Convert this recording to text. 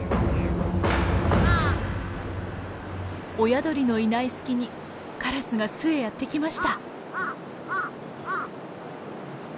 親鳥のいない隙にカラスが巣へやって来ました。